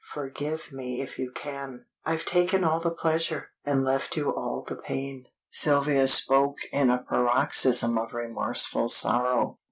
Forgive me if you can; I've taken all the pleasure, and left you all the pain." Sylvia spoke in a paroxysm of remorseful sorrow.